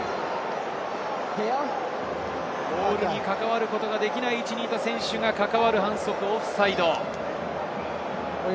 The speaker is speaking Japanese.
ボールに関わることができない位置にいた選手が関わる反則、オフサイド。